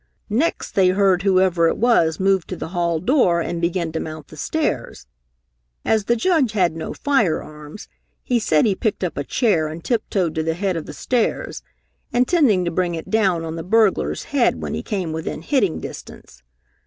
Next they heard whoever it was move to the hall door and begin to mount the stairs. As the Judge had no fire arms, he said he picked up a chair and tiptoed to the head of the stairs, intending to bring it down on the burglar's head when he came within hitting distance.